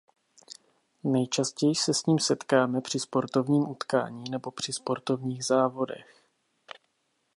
Nejčastěji se s ním setkáme při sportovním utkání nebo při sportovních závodech.